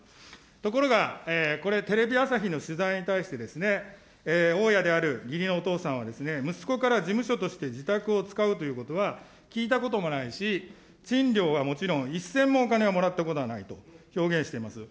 ところがこれ、テレビ朝日の取材に対して、大家である義理のお父さんは、息子から事務所として自宅を使うということは、聞いたこともないし、賃料はもちろん、一銭もお金はもらったことはないと表現しています。